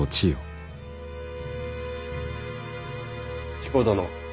彦殿。